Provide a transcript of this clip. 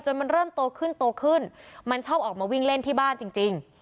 มันเริ่มโตขึ้นโตขึ้นมันชอบออกมาวิ่งเล่นที่บ้านจริง